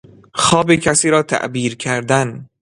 خواب کسی را تعبیر کردن